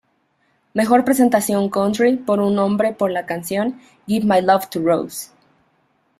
Mejor Presentación Country Por un Hombre por la canción "Give My Love To Rose".